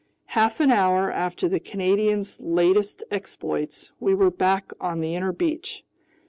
Half an hour after the Canadian's latest exploits, we were back on the inner beach.